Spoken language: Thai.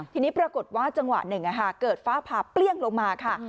ทีนี้ปรากฏว่าจังหวะหนึ่งเกิดฟ้าผ่าเปรี้ยงลงมาค่ะ